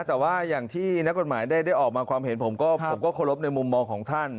แต่ว่าอย่างที่นักกฎหมายได้ออกมาความเห็นผมก็เคารพในมุมมองของท่าน